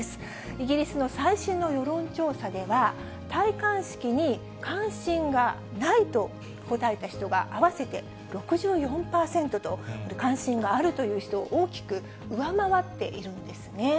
イギリスの最新の世論調査では、戴冠式に関心がないと答えた人が合わせて６４％と、これ、関心があるという人を大きく上回っているんですね。